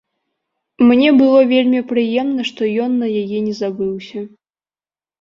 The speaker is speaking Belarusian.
Мне было вельмі прыемна, што ён на яе не забыўся.